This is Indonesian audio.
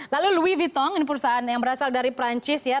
lalu louis vutong ini perusahaan yang berasal dari perancis ya